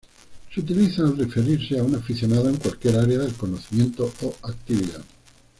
Se utiliza al referirse a un aficionado en cualquier área del conocimiento o actividad.